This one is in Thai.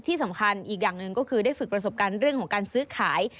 ที่สำคัญอีกอย่างหนึ่งก็คือได้ฝึกประสบการณ์เรื่องของการซื้อขาย